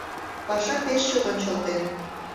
Паша пеш чот ончылтен.